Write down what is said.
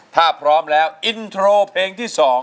ถ้าพร้อมแล้วอินโทรเพลงที่๒